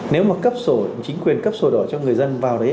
nếu mà chính quyền cấp sổ đỏ cho người dân vào đấy